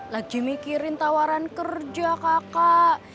lagi mikirin tawaran kerja kakak